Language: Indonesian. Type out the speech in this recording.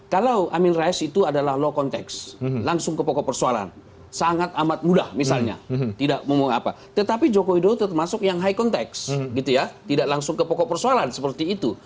kalau amin rais itu adalah low context langsung ke pokok persoalan sangat amat mudah misalnya tidak mau apa tetapi joko widodo termasuk yang high context gitu ya tidak langsung ke pokok persoalan seperti itu